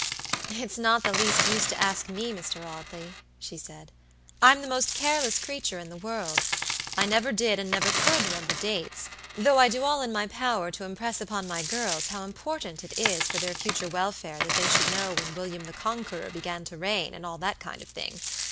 "It's not the least use to ask me, Mr. Audley," she said. "I'm the most careless creature in the world; I never did, and never could remember dates, though I do all in my power to impress upon my girls how important it is for their future welfare that they should know when William the Conqueror began to reign, and all that kind of thing.